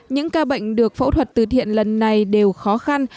những ca bệnh được phẫu thuật từ thiện lần này đều khó khăn